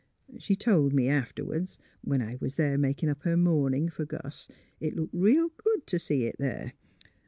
She told me afterwards — when I was there makin' up her mournin' for Gus, it looked real good t' see it there.